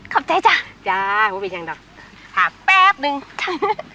ขอบใจจ้ะจ้ะพอเป็นอย่างเดี๋ยวหาแป๊บหนึ่งจ้ะ